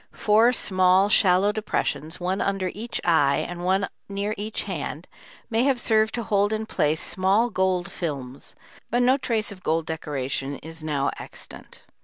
Four small, shallow depressions, one under each eye and one near each hand, may have served to hold in place small gold films, but no trace of gold decoration is now extant.